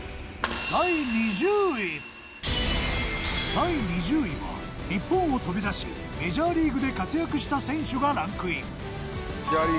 第２０位は日本を飛び出しメジャーリーグで活躍した選手がランクイン。